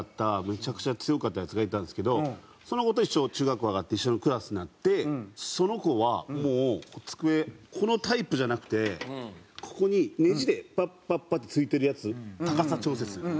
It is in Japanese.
めちゃくちゃ強かったヤツがいたんですけどその子と一緒の中学校上がって一緒のクラスになってその子はもう机このタイプじゃなくてここにネジでパッパッパッて付いてるやつ高さ調節する。